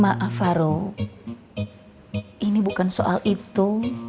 maaf farou ini bukan soal itu